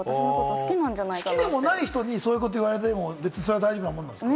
好きでもない人にそういうこと言われても、大丈夫なんですか？